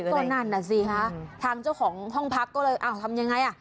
ก็นั่นน่ะสิคะทางเจ้าของห้องพักก็เลยอ้าวทำยังไงอ่ะ